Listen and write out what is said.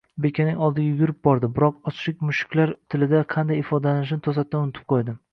Bekaning oldiga yugurib bordi, biroq ochlik mushuklar tilida qanday ifodalanishini toʻsatdan unutib qoʻydi